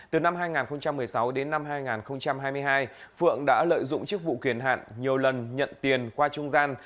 từ năm hai nghìn một mươi sáu đến năm hai nghìn hai mươi hai phượng đã lợi dụng chức vụ kiền hạn nhiều lần nhận tiền qua trung gian